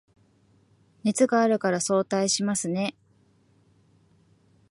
熱があるから早退しますね